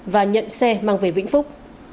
và nhận xe mang về vĩnh phúc